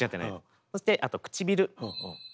そしてあと唇。